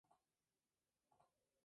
Records" como discográfica.